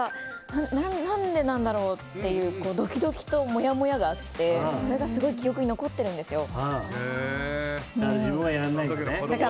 何でなんだろうっていうドキドキともやもやがあってそれがすごい記憶に残ってるんですよ。